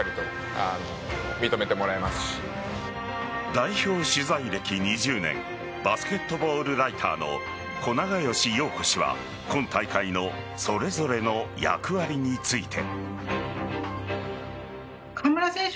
代表取材歴２０年バスケットボールライターの小永吉陽子氏は今大会のそれぞれの役割について。